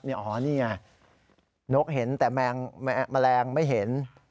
นี่อ๋อนี่ไงนกเห็นแต่แมลงไม่เห็น